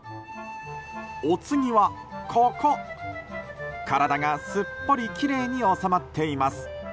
お次はここ、体がすっぽりきれいに収まっています。